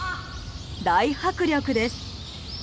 大迫力です！